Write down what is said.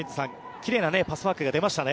奇麗なパスワークが出ましたね。